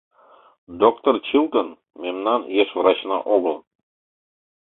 Доктыр Чилтон мемнан еш врачна огыл.